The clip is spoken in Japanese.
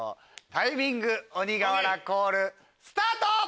タイミング鬼瓦コールスタート！